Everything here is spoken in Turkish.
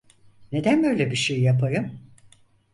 Neden böyle bir şey yapayım?